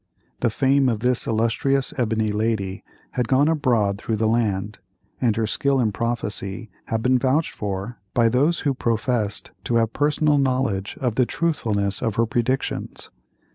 The fame of this illustrious ebony lady had gone abroad through the land, and her skill in prophecy had been vouched for by those who professed to have personal knowledge of the truthfulness of her predictions.